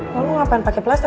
lu ngapain pake plaster